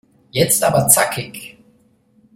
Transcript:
Jetzt aber zackig!